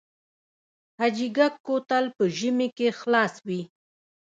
حاجي ګک کوتل په ژمي کې خلاص وي؟